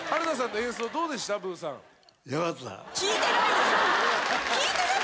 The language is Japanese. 聴いてないですよ。